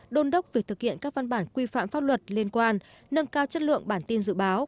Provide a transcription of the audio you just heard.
đôn đốc việc thực hiện các văn bản quy phạm pháp luật liên quan nâng cao chất lượng bản tin dự báo